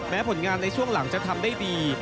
ผลงานในช่วงหลังจะทำได้ดี